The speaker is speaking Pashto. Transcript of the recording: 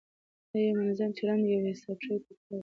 دا یو منظم چلند دی، یوه حساب شوې تګلاره ده،